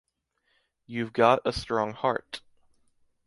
You’ve got a strong heart.